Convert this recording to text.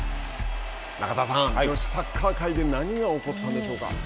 中澤さん、女子サッカー界で何が起こったんでしょうか？